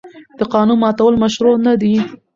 د قانون ماتول مشروع نه دي.